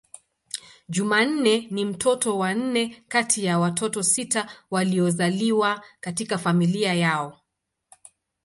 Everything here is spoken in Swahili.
Jumanne ni mtoto wa nne kati ya watoto sita waliozaliwa katika familia yao.